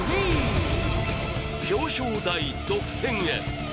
表彰台、独占へ。